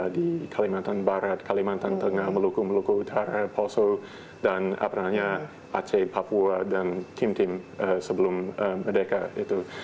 di kalimantan barat kalimantan tengah meluku meluku utara poso dan aceh papua dan tim tim sebelum merdeka itu